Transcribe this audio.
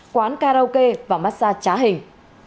quán karaoke và massage trá hình